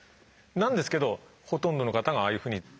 なんですけどほとんどの方がああいうふうに。